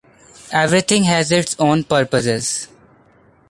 Everything has its own purposes.